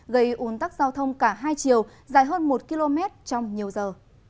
gây ủn tắc giao thông cả hai chiều dài hơn một km trong nhiều giờ